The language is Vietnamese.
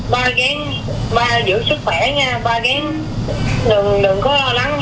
ba ghen giữ sức khỏe ba ghen ăn uống đồ